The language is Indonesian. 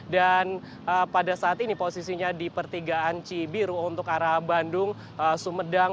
dan pada saat ini posisinya di pertigaan cibiru untuk arah bandung sumedang